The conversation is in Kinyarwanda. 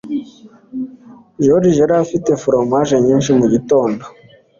Joriji yari afite foromaje nyinshi mugitondo.